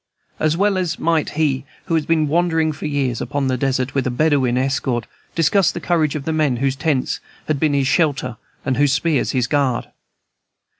As well might he who has been wandering for years upon the desert, with a Bedouin escort, discuss the courage of the men whose tents have been his shelter and whose spears his guard.